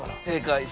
「正解！